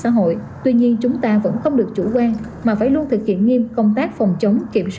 xã hội tuy nhiên chúng ta vẫn không được chủ quan mà phải luôn thực hiện nghiêm công tác phòng chống kiểm